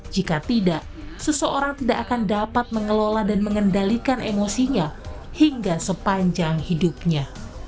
jika tidak seseorang tidak akan dapat mengelola dan mengendalikan emosinya hingga sepanjang hidupnya